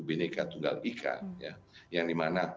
bnk tunggal ik yang dimana